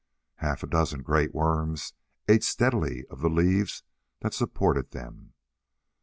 Half a dozen great worms ate steadily of the leaves that supported them.